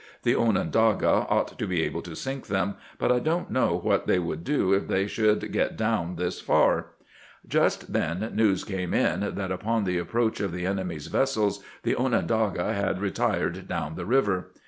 The Onondaga ought to be able to sink them, but I don't know what they would do if they should get down this far." Just then news came in that upon the approach of the enemy's vessels the Onondaga had re tired down the river.